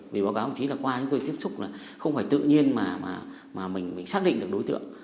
vì báo cáo chí là qua chúng tôi tiếp xúc là không phải tự nhiên mà mình xác định được đối tượng